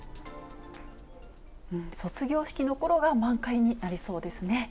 卒業式のころが満開になりそうですね。